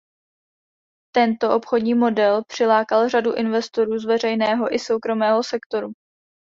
Tento obchodní model přilákal řadu investorů z veřejného i soukromého sektoru.